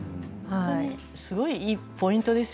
すごいいいポイントです。